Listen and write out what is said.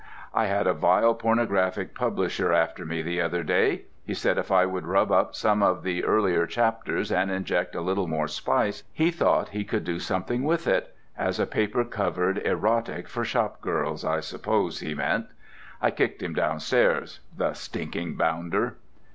I had a vile pornographic publisher after me the other day; he said if I would rub up some of the earlier chapters and inject a little more spice he thought he could do something with it—as a paper covered erotic for shop girls, I suppose he meant. I kicked him downstairs. The stinking bounder!